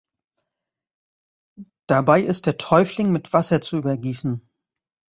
Dabei ist der Täufling mit Wasser zu übergießen.